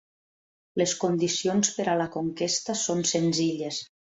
Les condicions per a la conquesta són senzilles.